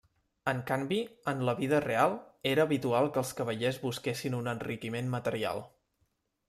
En canvi, en la vida real, era habitual que els cavallers busquessin un enriquiment material.